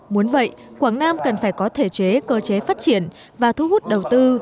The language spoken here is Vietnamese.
muốn vậy quảng nam cần phải có thể chế cơ chế phát triển và thu hút đầu tư